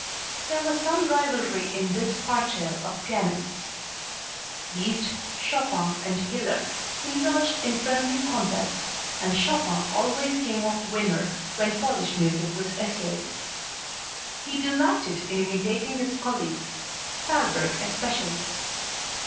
There was some rivalry in this parterre of pianists. Liszt, Chopin and Hiller indulged in friendly contests and Chopin always came off winner when Polish music was essayed. He delighted in imitating his colleagues, Thalberg especially.